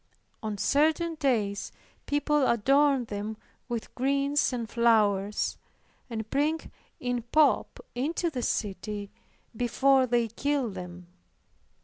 On certain days people adorn them with greens and flowers, and bring in pomp into the city before they kill them.